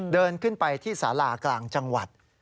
เดินขึ้นไปที่สารากลางจังหวัด